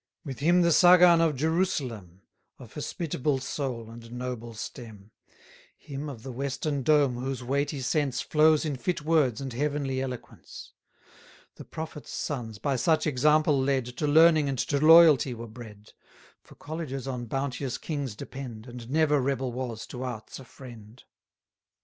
With him the Sagan of Jerusalem, Of hospitable soul, and noble stem; Him of the western dome, whose weighty sense Flows in fit words and heavenly eloquence. The prophets' sons, by such example led, 870 To learning and to loyalty were bred: For colleges on bounteous kings depend, And never rebel was to arts a friend.